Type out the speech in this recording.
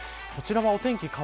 こちらはお天気